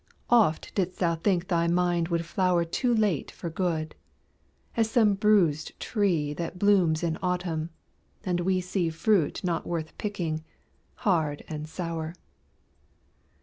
Oft didst thou think thy mind would flower Too late for good, as some bruised tree That blooms in Autumn, and we see Fruit not worth picking, hard and sour.